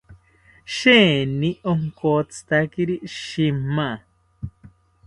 Sheeni onkotzitakiri shima